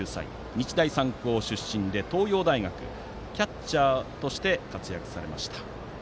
日大三高出身で、東洋大学キャッチャーとして活躍されました。